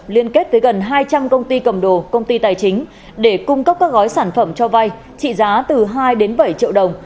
liên kết với gần hai trăm linh công ty cầm đồ công ty tài chính để cung cấp các gói sản phẩm cho vay trị giá từ hai đến bảy triệu đồng